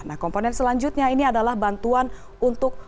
nah komponen selanjutnya ini adalah bantuan untuk